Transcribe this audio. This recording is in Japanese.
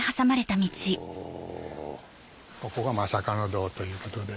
ここが釈迦の洞ということで。